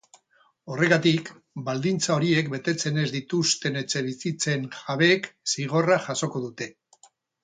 Horregatik, baldintza horiek betetzen ez dituzten etxebizitzen jabeek zigorra jasoko dute.